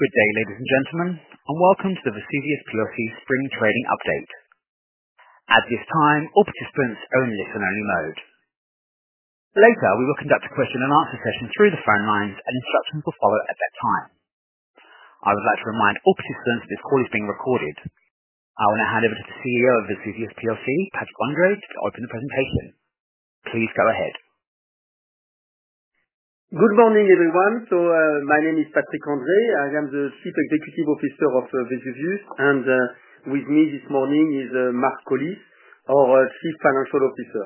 Good day, ladies and gentlemen, and welcome to the Vesuvius Spring Training Update. At this time, all participants are in listen-only mode. Later, we will conduct a question-and-answer session through the phone lines, and instructions will follow at that time. I would like to remind all participants that this call is being recorded. I will now hand over to the CEO of Vesuvius, Patrick André, to open the presentation. Please go ahead. Good morning, everyone. My name is Patrick André. I am the Chief Executive Officer of Vesuvius, and with me this morning is Mark Collis, our Chief Financial Officer.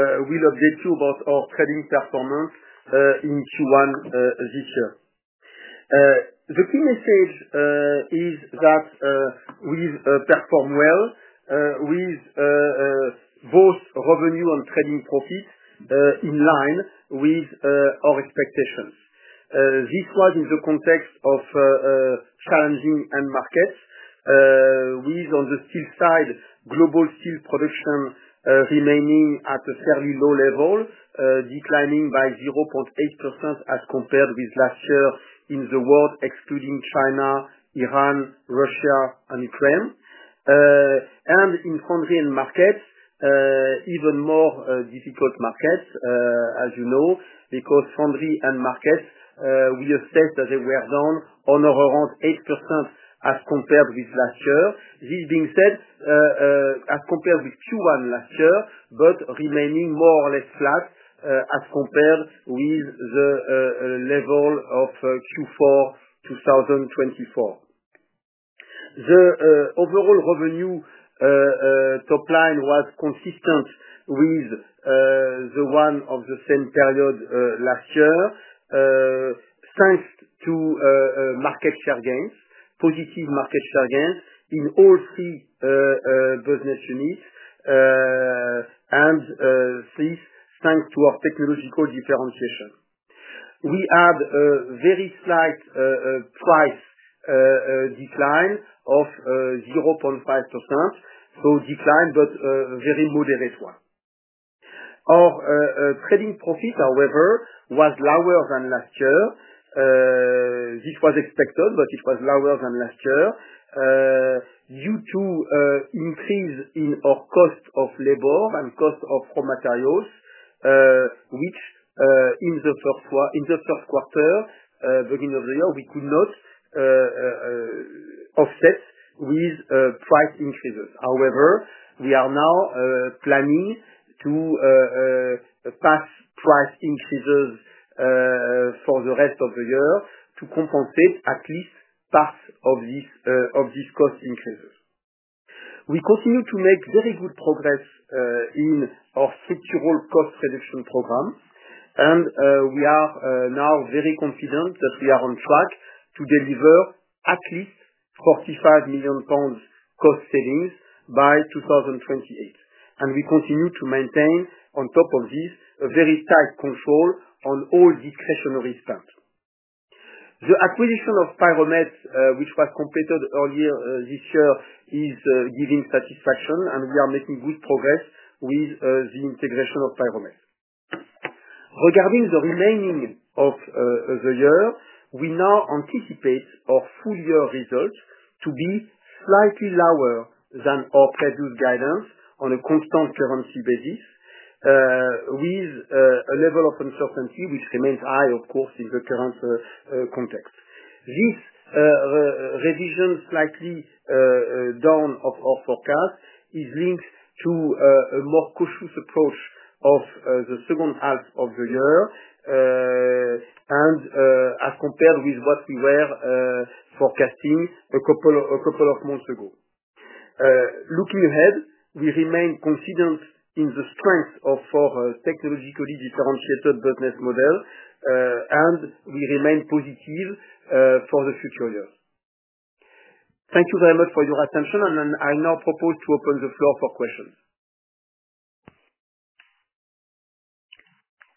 We will update you about our trading performance in Q1 this year. The key message is that we have performed well with both revenue and trading profit in line with our expectations. This was in the context of challenging end markets. On the steel side, global steel production remained at a fairly low level, declining by 0.8% as compared with last year in the world, excluding China, Iran, Russia, and Ukraine. In foundry and markets, even more difficult markets, as you know, because foundry and markets, we assess that they were down on our own 8% as compared with last year. This being said, as compared with Q1 last year, but remaining more or less flat as compared with the level of Q4 2024. The overall revenue top line was consistent with the one of the same period last year, thanks to market share gains, positive market share gains in all three business units, and this thanks to our technological differentiation. We had a very slight price decline of 0.5%, so decline, but a very moderate one. Our trading profit, however, was lower than last year. This was expected, but it was lower than last year due to an increase in our cost of labor and cost of raw materials, which in the third quarter beginning of the year, we could not offset with price increases. However, we are now planning to pass price increases for the rest of the year to compensate at least part of these cost increases. We continue to make very good progress in our structural cost reduction program, and we are now very confident that we are on track to deliver at least 45 million pounds cost savings by 2028. We continue to maintain, on top of this, a very tight control on all discretionary spend. The acquisition of Pyromet, which was completed earlier this year, is giving satisfaction, and we are making good progress with the integration of Pyromet. Regarding the remaining of the year, we now anticipate our full-year results to be slightly lower than our previous guidance on a constant currency basis, with a level of uncertainty which remains high, of course, in the current context. This revision slightly down of our forecast is linked to a more cautious approach of the second half of the year and as compared with what we were forecasting a couple of months ago. Looking ahead, we remain confident in the strength of our technologically differentiated business model, and we remain positive for the future year. Thank you very much for your attention, and I now propose to open the floor for questions.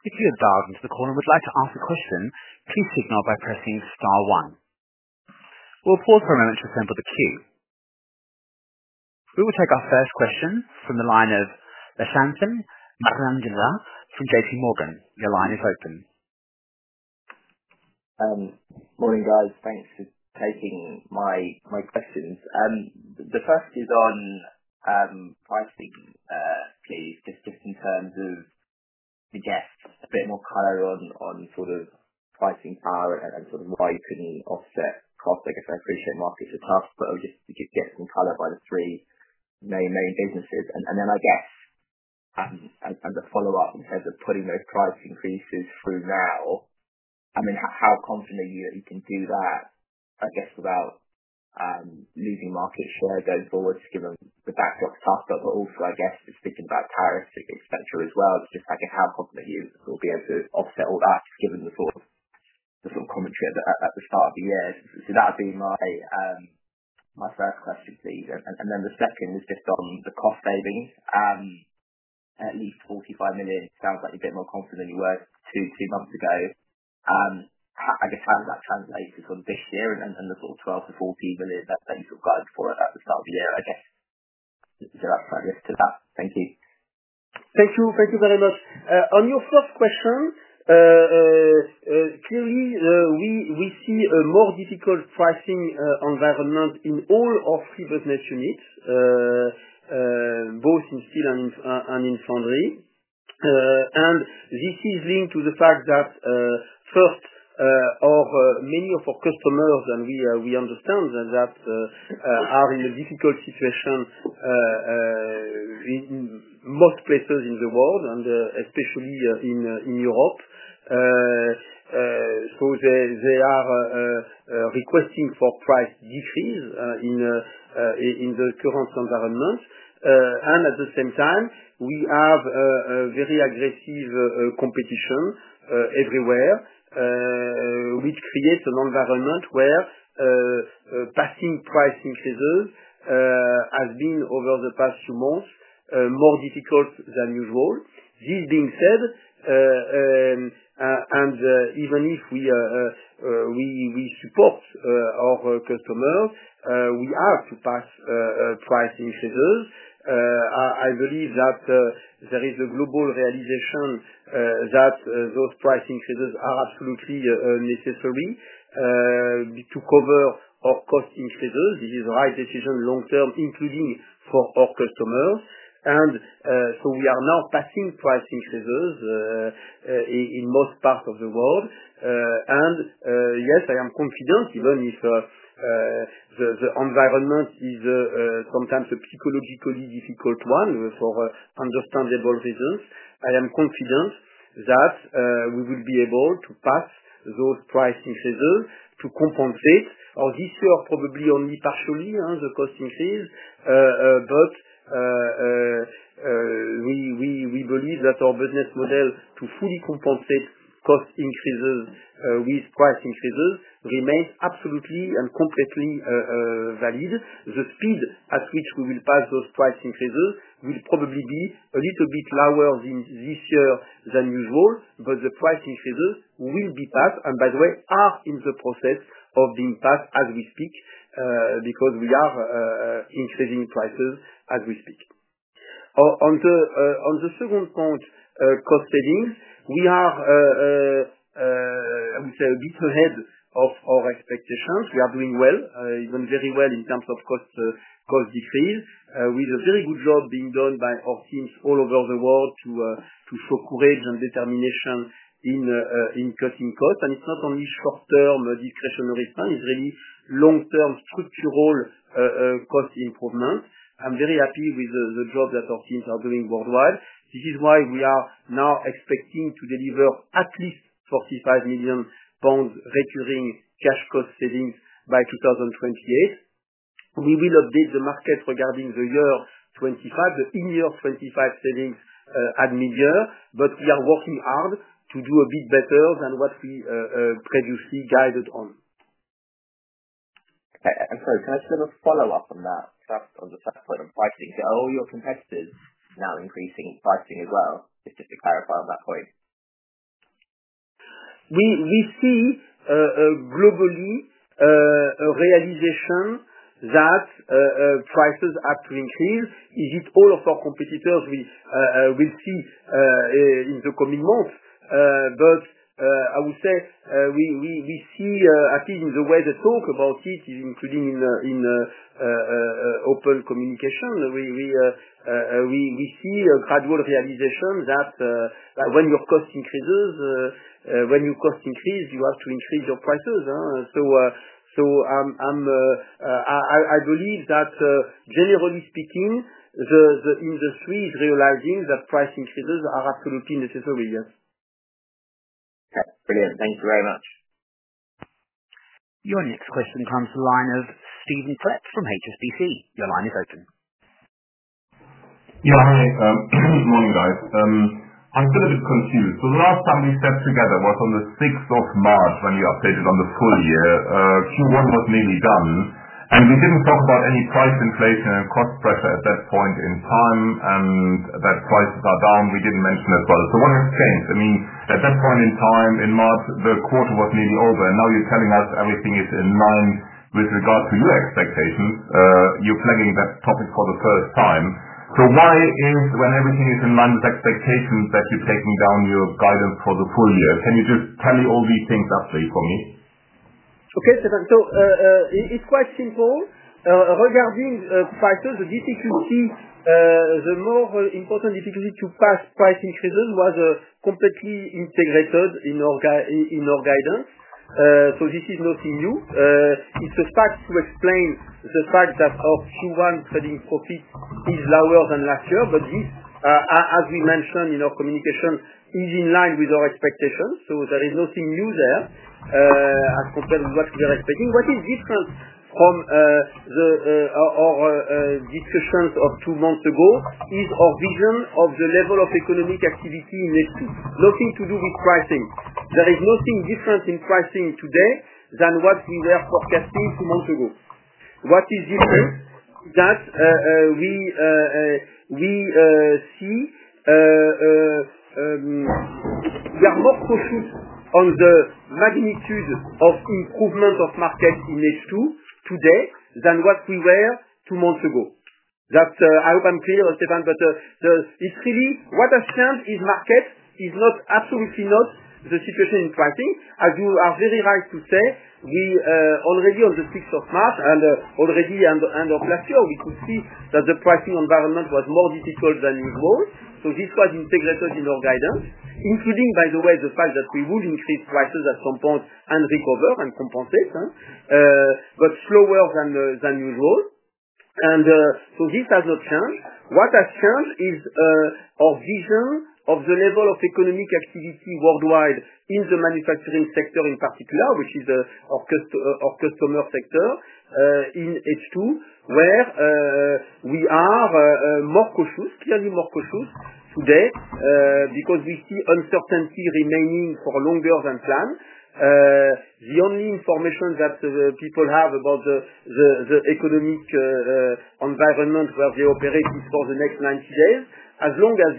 If you have dialed into the call and would like to ask a question, please signal by pressing star one. We'll pause for a moment to assemble the queue. We will take our first question from the line of Leshanthan Marangela from JP Morgan. Your line is open. Morning, guys. Thanks for taking my questions. The first is on pricing, please, just in terms of the, I guess, a bit more color on sort of pricing power and sort of why you could not offset costs. I guess I appreciate Mark is the task, but just to get some color by the three main businesses. I guess as a follow-up in terms of putting those price increases through now, I mean, how confident are you that you can do that, I guess, without losing market share going forward, given the backdrop of tough, but also, I guess, speaking about tariffs, etc., as well? It is just like, how confident are you that you will be able to offset all that, given the sort of commentary at the start of the year? That would be my first question, please. The second is just on the cost savings. At least 45 million, sounds like you're a bit more confident than you were two months ago. I guess, how does that translate to sort of this year and the sort of 12-14 million that you sort of got in for it at the start of the year? I guess is there outside risk to that? Thank you. Thank you very much. On your first question, clearly, we see a more difficult pricing environment in all our three business units, both in steel and in foundry. This is linked to the fact that, first, many of our customers, and we understand that, are in a difficult situation in most places in the world, especially in Europe. They are requesting for price decrease in the current environment. At the same time, we have very aggressive competition everywhere, which creates an environment where passing price increases has been, over the past few months, more difficult than usual. This being said, even if we support our customers, we have to pass price increases. I believe that there is a global realization that those price increases are absolutely necessary to cover our cost increases. This is the right decision long-term, including for our customers. We are now passing price increases in most parts of the world. Yes, I am confident, even if the environment is sometimes a psychologically difficult one for understandable reasons, I am confident that we will be able to pass those price increases to compensate. This year, probably only partially, the cost increase, but we believe that our business model to fully compensate cost increases with price increases remains absolutely and completely valid. The speed at which we will pass those price increases will probably be a little bit lower this year than usual, but the price increases will be passed. By the way, are in the process of being passed as we speak because we are increasing prices as we speak. On the second point, cost savings, we are, I would say, a bit ahead of our expectations. We are doing well, even very well in terms of cost decrease, with a very good job being done by our teams all over the world to show courage and determination in cutting costs. It is not only short-term discretionary spend; it is really long-term structural cost improvement. I am very happy with the job that our teams are doing worldwide. This is why we are now expecting to deliver at least 45 million pounds recurring cash cost savings by 2028. We will update the market regarding the year 2025, the in-year 2025 savings at mid-year, but we are working hard to do a bit better than what we previously guided on. I'm sorry, can I just have a follow-up on that? Just on the second point of pricing, are all your competitors now increasing pricing as well? Just to clarify on that point. We see globally a realization that prices have to increase. Is it all of our competitors? We'll see in the coming months, but I would say we see, at least in the way they talk about it, including in open communication, a gradual realization that when your cost increases, you have to increase your prices. I believe that, generally speaking, the industry is realizing that price increases are absolutely necessary, yes. Okay. Brilliant. Thank you very much. Your next question comes from the line of Stephen Collett from HSBC. Your line is open. Yeah. Hi. Good morning, guys. I'm still a bit confused. The last time we sat together was on the 6th of March when you updated on the full year. Q1 was nearly done, and we didn't talk about any price inflation and cost pressure at that point in time, and that prices are down. We didn't mention as well. What has changed? I mean, at that point in time, in March, the quarter was nearly over, and now you're telling us everything is in line with regard to your expectations. You're flagging that topic for the first time. Why is, when everything is in line with expectations, that you're taking down your guidance for the full year? Can you just tally all these things up, please, for me? Okay. It is quite simple. Regarding prices, the difficulty, the more important difficulty to pass price increases was completely integrated in our guidance. This is nothing new. It is a fact to explain the fact that our Q1 trading profit is lower than last year, but this, as we mentioned in our communication, is in line with our expectations. There is nothing new there as compared with what we are expecting. What is different from our discussions of two months ago is our vision of the level of economic activity in HSBC. Nothing to do with pricing. There is nothing different in pricing today than what we were forecasting two months ago. What is different is that we see we are more cautious on the magnitude of improvement of markets in HSBC today than what we were two months ago. I hope I'm clear, Stephan, but it's really what has changed is market is absolutely not the situation in pricing. As you are very right to say, already on the 6th of March and already at the end of last year, we could see that the pricing environment was more difficult than usual. This was integrated in our guidance, including, by the way, the fact that we will increase prices at some point and recover and compensate, but slower than usual. This has not changed. What has changed is our vision of the level of economic activity worldwide in the manufacturing sector in particular, which is our customer sector in HSBC, where we are more cautious, clearly more cautious today because we see uncertainty remaining for longer than planned. The only information that people have about the economic environment where they operate is for the next 90 days. As long as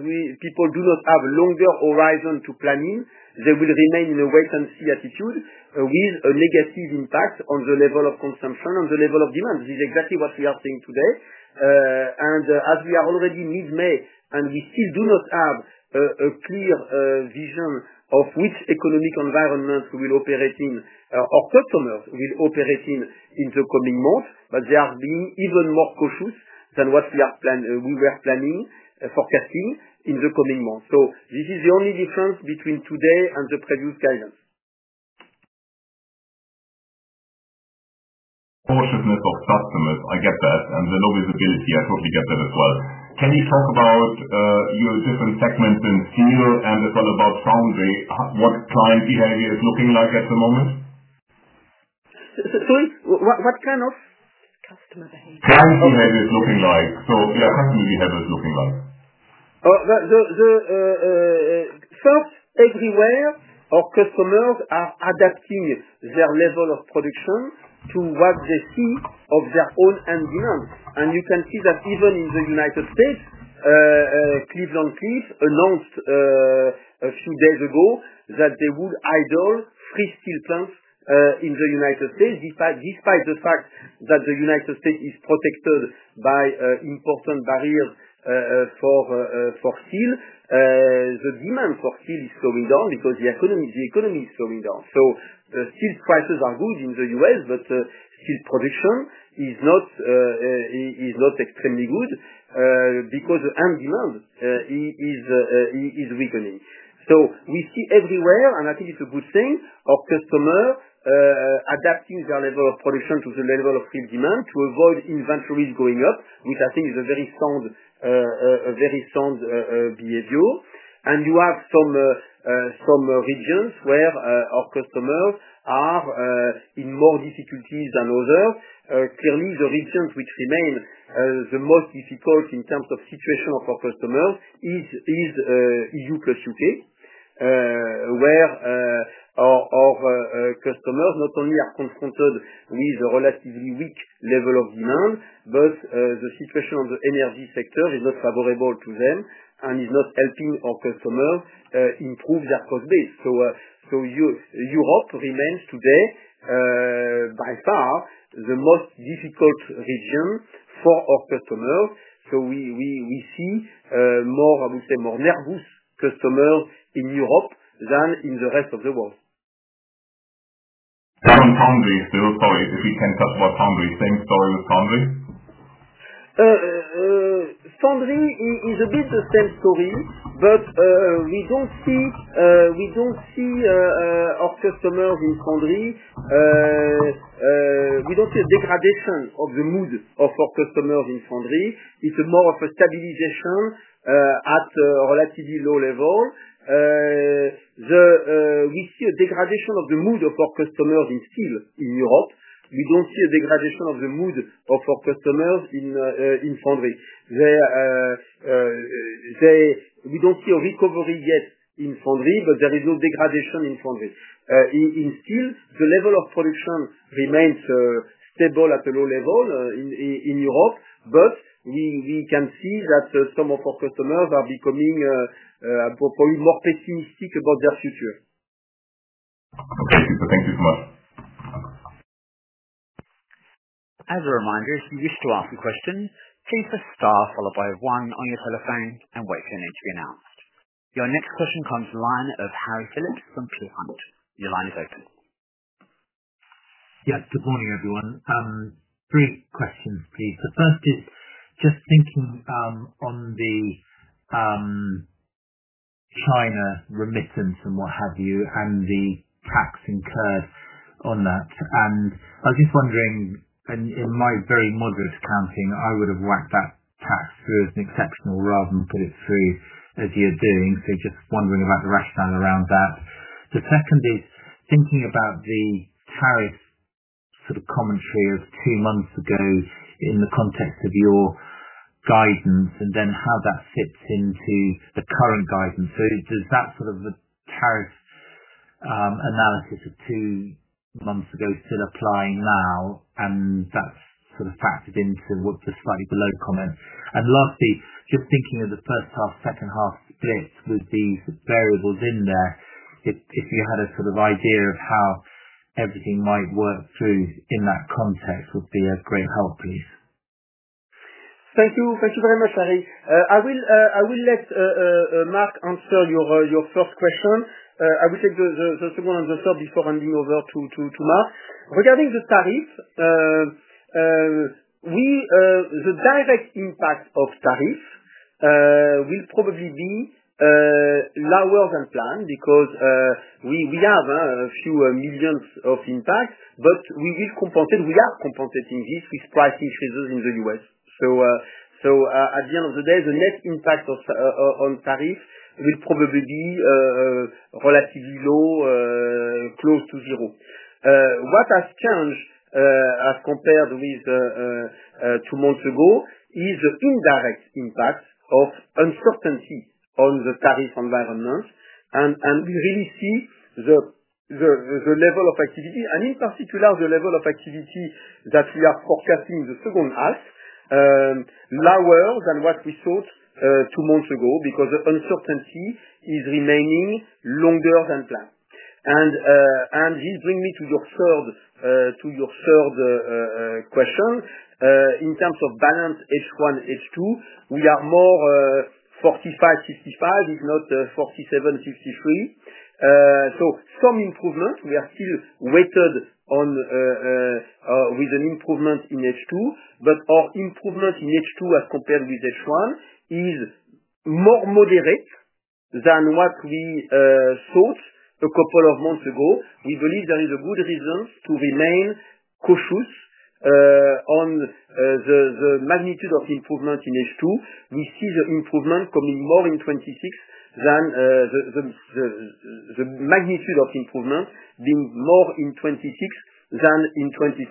people do not have a longer horizon to plan in, they will remain in a wait-and-see attitude with a negative impact on the level of consumption and the level of demand. This is exactly what we are seeing today. As we are already mid-May and we still do not have a clear vision of which economic environment we will operate in, our customers will operate in in the coming months, but they are being even more cautious than what we were planning, forecasting in the coming months. This is the only difference between today and the previous guidance. Cautiousness of customers, I get that. And Lenovo's ability, I totally get that as well. Can you talk about your different segments in steel and as well about foundry, what client behavior is looking like at the moment? Sorry? What kind of? Customer behavior. Client behavior is looking like. Yeah, customer behavior is looking like. First, everywhere, our customers are adapting their level of production to what they see of their own end demand. You can see that even in the U.S., Cleveland-Cliffs announced a few days ago that they will idle three steel plants in the U.S. despite the fact that the U.S. is protected by important barriers for steel. The demand for steel is slowing down because the economy is slowing down. Steel prices are good in the U.S., but steel production is not extremely good because the end demand is weakening. We see everywhere, and I think it's a good thing, our customers adapting their level of production to the level of real demand to avoid inventories going up, which I think is a very sound behavior. You have some regions where our customers are in more difficulties than others. Clearly, the region which remains the most difficult in terms of situation of our customers is EU plus U.K., where our customers not only are confronted with a relatively weak level of demand, but the situation of the energy sector is not favorable to them and is not helping our customers improve their cost base. Europe remains today, by far, the most difficult region for our customers. We see more, I would say, more nervous customers in Europe than in the rest of the world. Down foundry, still, sorry, if we can touch about foundry. Same story with foundry? Foundry is a bit the same story, but we do not see our customers in foundry. We do not see a degradation of the mood of our customers in foundry. It is more of a stabilization at a relatively low level. We see a degradation of the mood of our customers in steel in Europe. We do not see a degradation of the mood of our customers in foundry. We do not see a recovery yet in foundry, but there is no degradation in foundry. In steel, the level of production remains stable at a low level in Europe, but we can see that some of our customers are becoming probably more pessimistic about their future. Okay. Thank you so much. As a reminder, if you wish to ask a question, please press star followed by one on your telephone and wait for your name to be announced. Your next question comes from the line of Harry Philips from Peel Hunt. Your line is open. Yes. Good morning, everyone. Three questions, please. The first is just thinking on the China remittance and what have you and the tax incurred on that. I was just wondering, in my very moderate accounting, I would have whacked that tax through as an exceptional rather than put it through as you're doing. Just wondering about the rationale around that. The second is thinking about the tariff sort of commentary of two months ago in the context of your guidance and then how that fits into the current guidance. Does that sort of the tariff analysis of two months ago still apply now? That is sort of factored into what the slightly below comment. Lastly, just thinking of the first half, second half split with these variables in there, if you had a sort of idea of how everything might work through in that context, would be a great help, please. Thank you. Thank you very much, Harry. I will let Mark answer your first question. I will take the second and the third before handing over to Mark. Regarding the tariff, the direct impact of tariff will probably be lower than planned because we have a few million of impacts, but we will compensate. We are compensating this with price increases in the U.S. At the end of the day, the net impact on tariff will probably be relatively low, close to zero. What has changed as compared with two months ago is the indirect impact of uncertainty on the tariff environment. We really see the level of activity, and in particular, the level of activity that we are forecasting in the second half, lower than what we thought two months ago because the uncertainty is remaining longer than planned. This brings me to your third question. In terms of balance, HSC1, HSC2, we are more 45-65, if not 47-63. So some improvement. We are still weighted with an improvement in HSC2, but our improvement in HSC2 as compared with HSC1 is more moderate than what we thought a couple of months ago. We believe there is a good reason to remain cautious on the magnitude of improvement in HSC2. We see the improvement coming more in 2026 than the magnitude of improvement being more in 2026 than in 2025.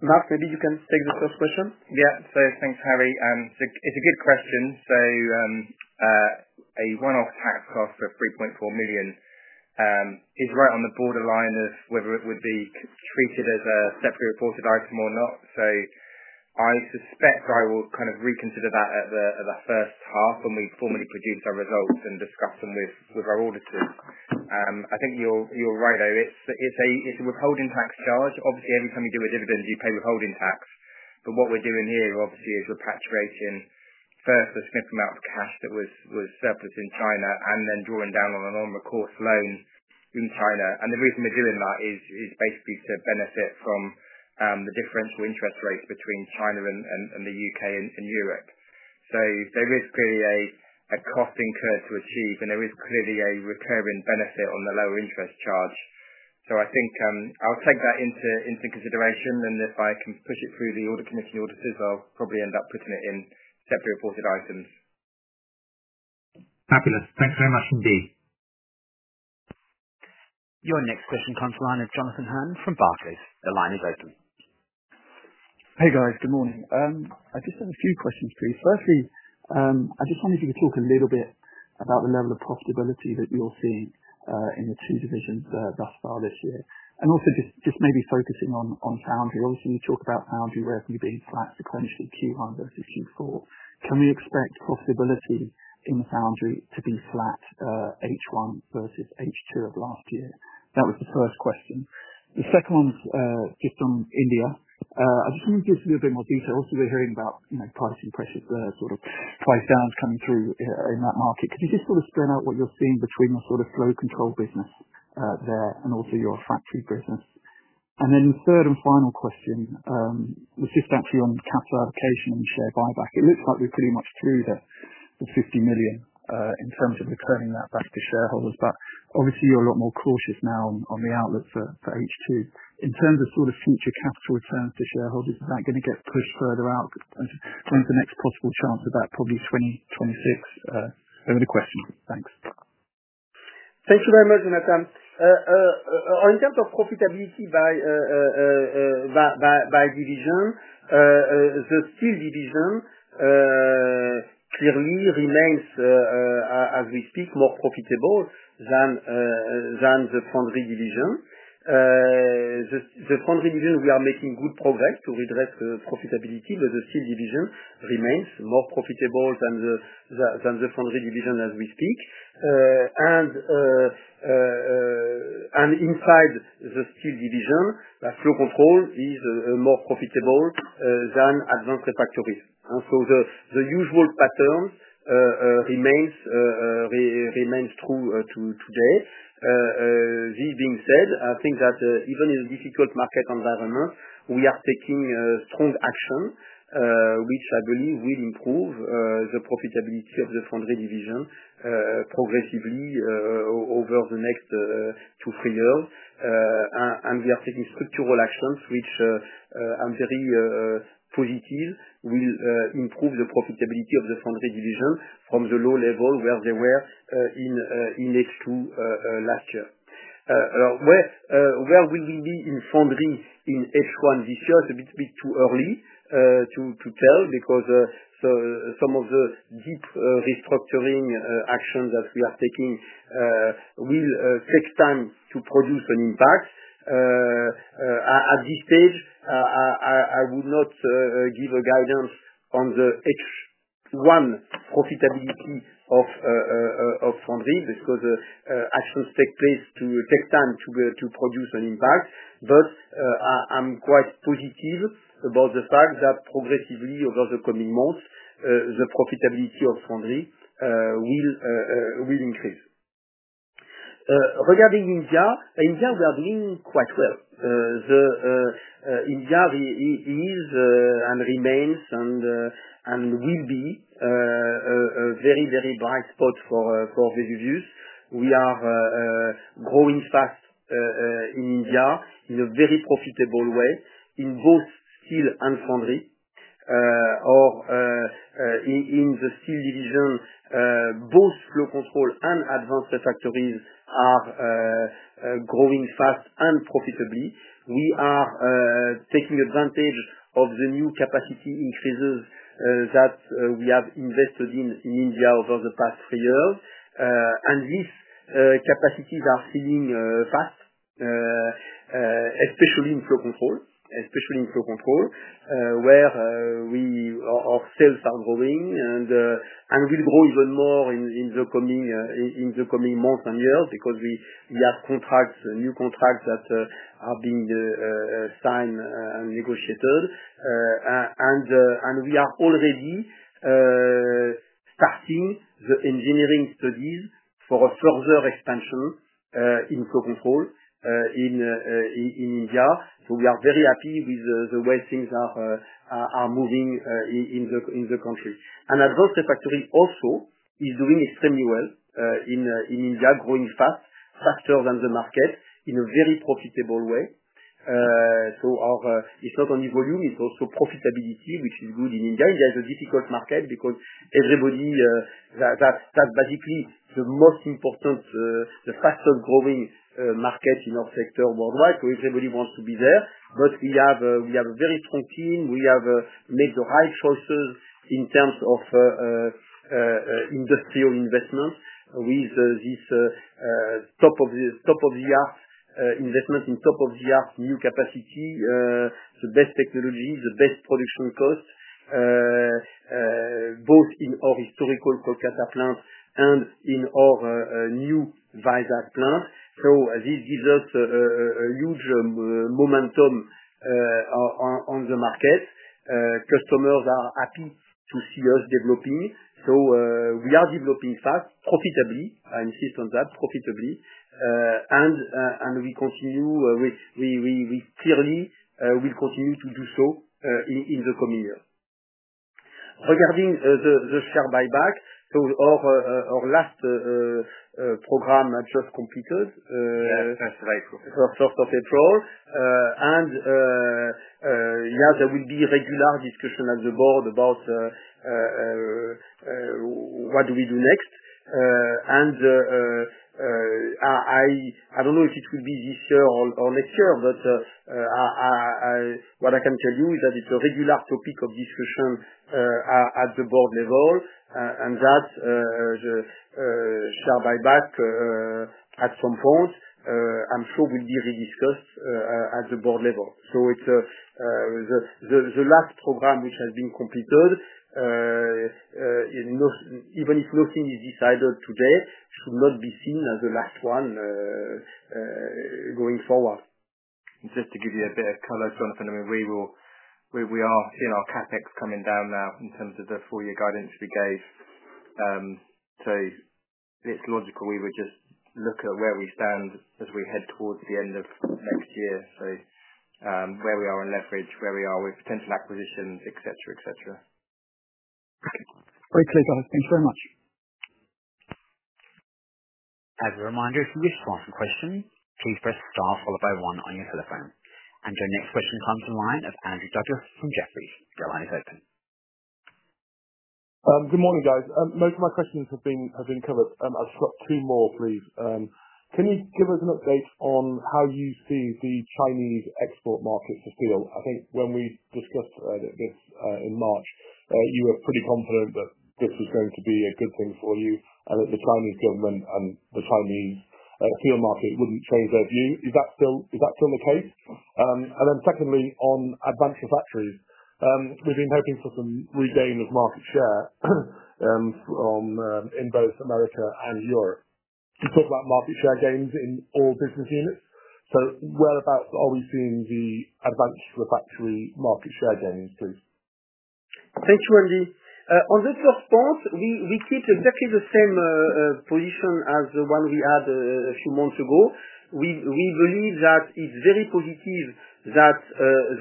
Mark, maybe you can take the first question. Yeah. Thanks, Harry. It's a good question. A one-off tax cost of $3.4 million is right on the borderline of whether it would be treated as a separate reported item or not. I suspect I will kind of reconsider that at the first half when we formally produce our results and discuss them with our auditors. I think you're right, though. It's a withholding tax charge. Obviously, every time you do a dividend, you pay withholding tax. What we're doing here, obviously, is repatriating first a significant amount of cash that was surplus in China and then drawing down on a non-recourse loan in China. The reason we're doing that is basically to benefit from the differential interest rates between China and the U.K. and Europe. There is clearly a cost incurred to achieve, and there is clearly a recurring benefit on the lower interest charge. I think I'll take that into consideration, and if I can push it through the Audit Commission auditors, I'll probably end up putting it in separate reported items. Fabulous. Thanks very much, indeed. Your next question, Jonathan Hearn from Barclays. The line is open. Hey, guys. Good morning. I just have a few questions, please. Firstly, I just wonder if you could talk a little bit about the level of profitability that you're seeing in the two divisions thus far this year. Also, just maybe focusing on foundry. Obviously, you talk about foundry working being flat sequentially, Q1 versus Q4. Can we expect profitability in the foundry to be flat H1 versus H2 of last year? That was the first question. The second one's just on India. I just want to give a little bit more detail. Also, we're hearing about pricing pressures, sort of price downs coming through in that market. Could you just sort of spell out what you're seeing between the sort of Flow Control business there and also your foundry business? The third and final question was just actually on capital allocation and share buyback. It looks like we're pretty much through the $50 million in terms of returning that back to shareholders. Obviously, you're a lot more cautious now on the outlook for HSC2. In terms of sort of future capital returns to shareholders, is that going to get pushed further out? When's the next possible chance of that? Probably 2026. Those are the questions. Thanks. Thank you very much, Jonathan. In terms of profitability by division, the Steel Division clearly remains, as we speak, more profitable than the Foundry Division. The Foundry Division, we are making good progress to redress profitability, but the Steel Division remains more profitable than the Foundry Division as we speak. Inside the Steel Division, Flow Control is more profitable than Advanced Refractories. The usual pattern remains true today. This being said, I think that even in a difficult market environment, we are taking strong action, which I believe will improve the profitability of the Foundry Division progressively over the next two, three years. We are taking structural actions, which I am very positive will improve the profitability of the Foundry Division from the low level where they were in H2 2023 last year. Where will we be in Foundry in H1 2024 this year? It's a bit too early to tell because some of the deep restructuring actions that we are taking will take time to produce an impact. At this stage, I would not give a guidance on the HSC1 profitability of foundry because actions take time to produce an impact. I'm quite positive about the fact that progressively over the coming months, the profitability of foundry will increase. Regarding India, we are doing quite well. India is and remains and will be a very, very bright spot for Vesuvius. We are growing fast in India in a very profitable way in both steel and foundry. In the steel division, both Flow Control and Advanced Refractories are growing fast and profitably. We are taking advantage of the new capacity increases that we have invested in India over the past three years. These capacities are filling fast, especially in Flow Control, especially in Flow Control where our sales are growing and will grow even more in the coming months and years because we have new contracts that are being signed and negotiated. We are already starting the engineering studies for a further expansion in Flow Control in India. We are very happy with the way things are moving in the country. Advanced Refractories also is doing extremely well in India, growing fast, faster than the market in a very profitable way. It is not only volume, it is also profitability, which is good in India. India is a difficult market because basically that is the most important, the fastest growing market in our sector worldwide. Everybody wants to be there. We have a very strong team. We have made the right choices in terms of industrial investment with this top-of-the-art investment in top-of-the-art new capacity, the best technology, the best production cost, both in our historical Kolkata plant and in our new Visakhapatnam plant. This gives us a huge momentum on the market. Customers are happy to see us developing. We are developing fast, profitably. I insist on that, profitably. We clearly will continue to do so in the coming years. Regarding the share buyback, our last program just completed. Yes, that's right. 3rd of April. Yeah, there will be regular discussion at the board about what do we do next. I do not know if it will be this year or next year, but what I can tell you is that it is a regular topic of discussion at the board level. That share buyback at some point, I am sure, will be rediscussed at the board level. The last program which has been completed, even if nothing is decided today, should not be seen as the last one going forward. Just to give you a bit of color, Jonathan, I mean, we are seeing our CapEx coming down now in terms of the full-year guidance we gave. It is logical we would just look at where we stand as we head towards the end of next year, where we are in leverage, where we are with potential acquisitions, etc., etc. Great. Great, clear, guys. Thank you very much. As a reminder, if you wish to ask a question, please press star followed by one on your telephone. Your next question comes in line of Andrew Douglas from Jefferies. Your line is open. Good morning, guys. Most of my questions have been covered. I've got two more, please. Can you give us an update on how you see the Chinese export market for steel? I think when we discussed this in March, you were pretty confident that this was going to be a good thing for you and that the Chinese government and the Chinese steel market would not change their view. Is that still the case? Secondly, on Advanced Refractories, we've been hoping for some regain of market share in both America and Europe. You talked about market share gains in all business units. Whereabouts are we seeing the Advanced Refractories market share gains, please? Thank you, Andy. On the first point, we keep exactly the same position as the one we had a few months ago. We believe that it is very positive that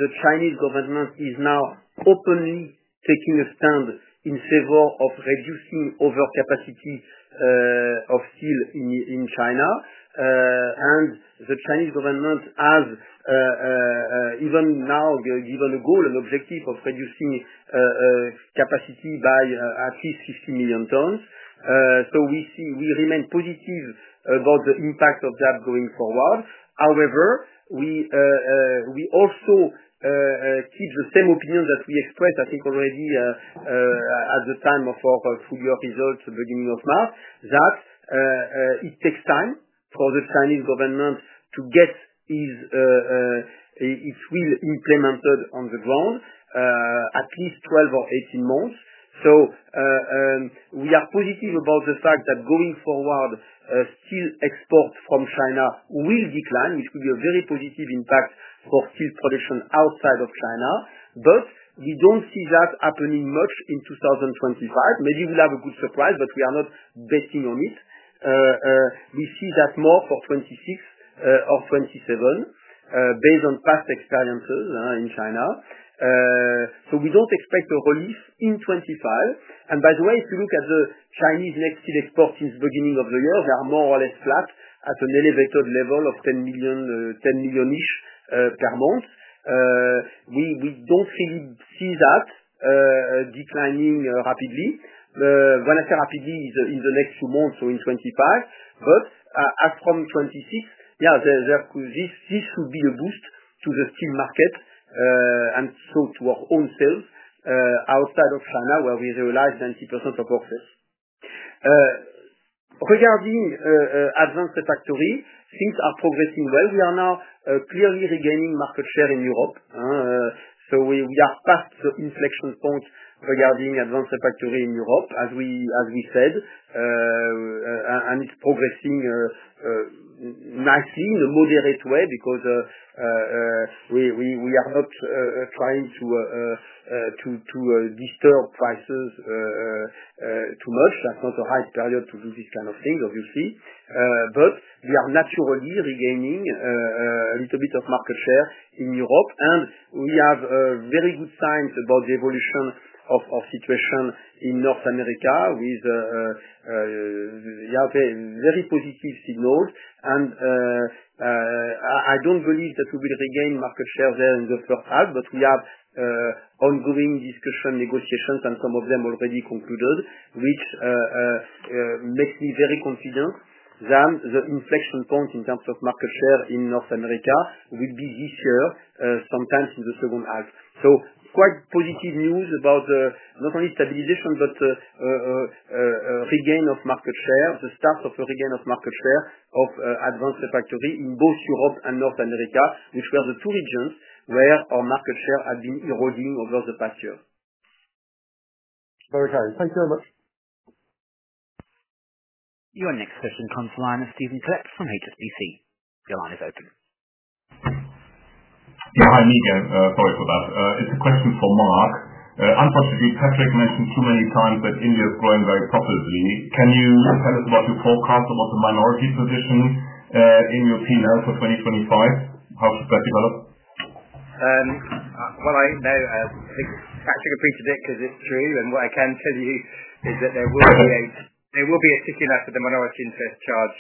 the Chinese government is now openly taking a stand in favor of reducing overcapacity of steel in China. The Chinese government has even now given a goal, an objective of reducing capacity by at least 50 million tons. We remain positive about the impact of that going forward. However, we also keep the same opinion that we expressed, I think, already at the time of our full-year results beginning of March, that it takes time for the Chinese government to get its will implemented on the ground, at least 12 or 18 months. We are positive about the fact that going forward, steel export from China will decline, which will be a very positive impact for steel production outside of China. We do not see that happening much in 2025. Maybe we will have a good surprise, but we are not betting on it. We see that more for 2026 or 2027 based on past experiences in China. We do not expect a release in 2025. By the way, if you look at the Chinese next steel export since the beginning of the year, they are more or less flat at an elevated level of 10 million-ish per month. We do not really see that declining rapidly, relatively rapidly in the next few months, so in 2025. As from 2026, yeah, this would be a boost to the steel market and so to our own sales outside of China where we realize 90% of our sales. Regarding Advanced Refractories, things are progressing well. We are now clearly regaining market share in Europe. We are past the inflection point regarding Advanced Refractories in Europe, as we said, and it is progressing nicely in a moderate way because we are not trying to disturb prices too much. That is not the right period to do these kind of things, obviously. We are naturally regaining a little bit of market share in Europe. We have very good signs about the evolution of our situation in North America with very positive signals. I do not believe that we will regain market share there in the first half, but we have ongoing discussions, negotiations, and some of them already concluded, which makes me very confident that the inflection point in terms of market share in North America will be this year, sometime in the second half. Quite positive news about not only stabilization, but regain of market share, the start of a regain of market share of Advanced Refractories in both Europe and North America, which were the two regions where our market share had been eroding over the past year. Very kind. Thank you very much. Your next question comes on the line of Stephen Collett from HSBC. Your line is open. Yeah. Hi, Amigo. Sorry for that. It's a question for Mark. Unfortunately, Patrick mentioned too many times that India is growing very profitably. Can you tell us about your forecast about the minority position in Europe now for 2025? How should that develop? I think Patrick will preach a bit because it's true. What I can tell you is that there will be a ticking up of the minority interest charge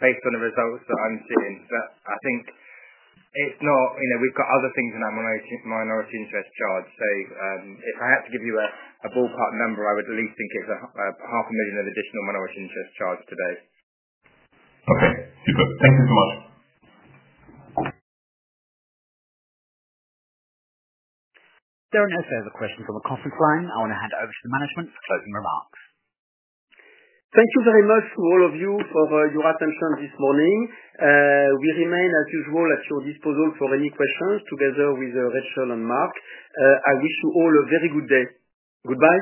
based on the results that I'm seeing. I think it's not we've got other things in our minority interest charge. If I had to give you a ballpark number, I would at least think it's $500,000 of additional minority interest charge today. Okay. Super. Thank you so much. There are no further questions on the conference line. I want to hand it over to the management for closing remarks. Thank you very much to all of you for your attention this morning. We remain, as usual, at your disposal for any questions together with Rachel and Mark. I wish you all a very good day. Goodbye.